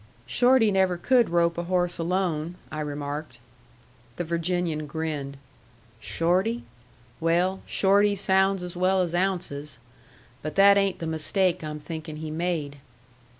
"Shorty never could rope a horse alone," I remarked. The Virginian grinned. "Shorty? Well, Shorty sounds as well as Ounces. But that ain't the mistake I'm thinking he made."